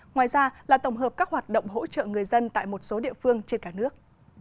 ngoài ra là tổng hợp các hoạt động hỗ trợ người dân tại một số địa phương trên cả nước